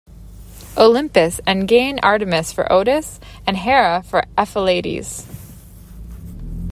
Olympus and gain Artemis for Otus and Hera for Ephialtes.